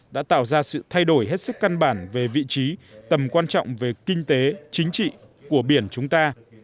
đã tạo ra sự thay đổi hết sức căn bản về vị trí tầm quan trọng về kinh tế chính trị của biển chúng ta